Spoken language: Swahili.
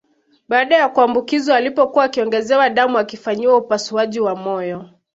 Baada ya kuambukizwa alipokuwa akiongezewa damu akifanyiwa upasuaji wa moyo